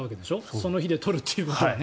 その日で取るということにね。